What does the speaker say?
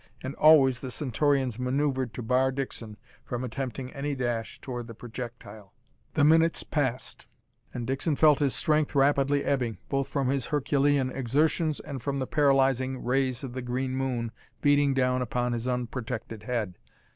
And always the Centaurians maneuvered to bar Dixon from attempting any dash toward the projectile. The minutes passed, and Dixon felt his strength rapidly ebbing, both from his herculean exertions and from the paralyzing rays of the green moon beating down upon his unprotected head.